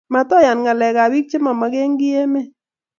Matoiyan ngalek ab pik che mamakenkii emet